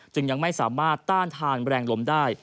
ยังไม่สามารถต้านทานแรงลมได้